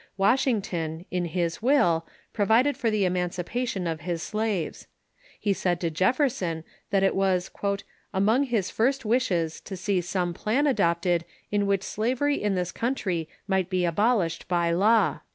Washington, in his will, provided for the emanci pation of his slaves. He said to Jefferson that it was " among his first wishes to see some plan adopted in which slavery in this country might be abolished by law."